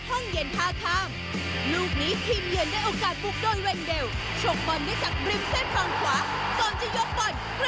ชกบอลได้จากบริมเส้นพร้อมขวา